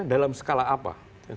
dalam skala apa